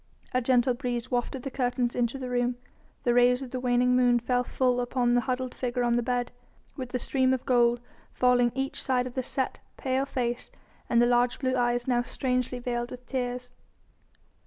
A gentle breeze wafted the curtains into the room; the rays of the waning moon fell full upon the huddled figure on the bed, with the stream of gold falling each side of the set, pale face, and the large blue eyes now strangely veiled with tears.